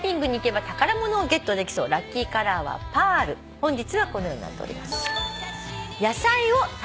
本日はこのようになっております。